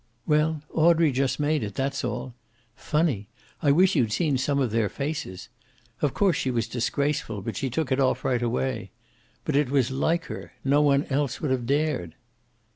"Well, Audrey just made it, that's all. Funny! I wish you'd seen some of their faces. Of course she was disgraceful, but she took it off right away. But it was like her no one else would have dared."